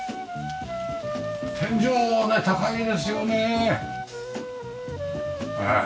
天井ね高いですよねえ。